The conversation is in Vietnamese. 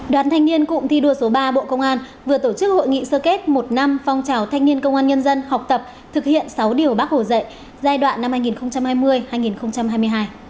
đoàn thanh niên cụm thi đua số ba bộ công an vừa tổ chức hội nghị sơ kết một năm phong trào thanh niên công an nhân dân học tập thực hiện sáu điều bác hồ dạy giai đoạn năm hai nghìn hai mươi hai nghìn hai mươi hai